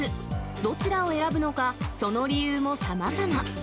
どちらを選ぶのか、その理由もさまざま。